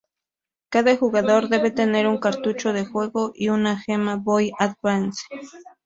Cada jugador debe tener un cartucho de juego y una Game Boy Advance.